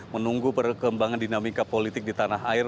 menunggu perkembangan dinamika politik di tanah air